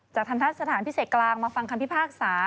ทันทะสถานพิเศษกลางมาฟังคำพิพากษา